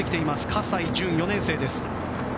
葛西潤、４年生です。